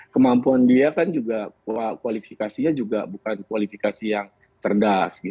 kemampuan dia kan juga kualifikasinya juga bukan kualifikasi yang cerdas